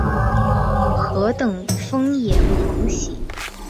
何等疯野狂喜？